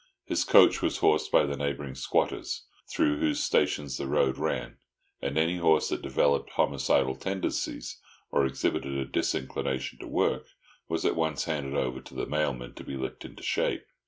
His coach was horsed by the neighbouring squatters, through whose stations the road ran; and any horse that developed homicidal tendencies, or exhibited a disinclination to work, was at once handed over to the mailman to be licked into shape.